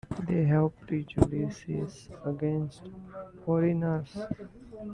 They have prejudices against foreigners.